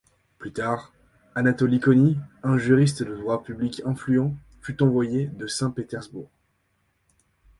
Plus tard, Anatoly Koni, un juriste de droit public influent, fut envoyé de Saint-Pétersbourg.